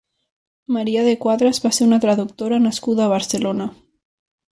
Maria de Quadras va ser una traductora nascuda a Barcelona.